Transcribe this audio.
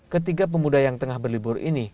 ketiga pemuda yang tengah berlibur ini